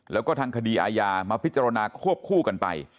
แล้วก็ทางคดีอาญามาพิจารณาควบคู่กันไป